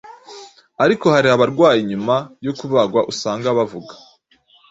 ariko hari abarwayi nyuma yo kubagwa usanga bavuga